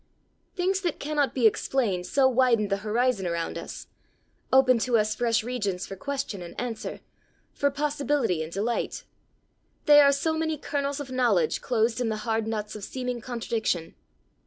"Things that cannot be explained so widen the horizon around us! open to us fresh regions for question and answer, for possibility and delight! They are so many kernels of knowledge closed in the hard nuts of seeming contradiction.